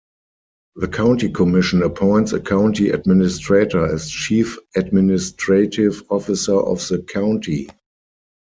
The county commission appoints a county administrator as chief administrative officer of the county.